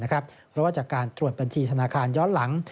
เพราะว่าจากการตรวจบัญชีธนาคารย้อนหลัง